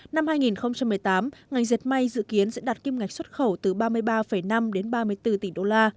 năm hai nghìn một mươi tám ngành diệt may dự kiến sẽ đạt kim ngạch xuất khẩu từ ba mươi ba năm đến ba mươi bốn tỷ usd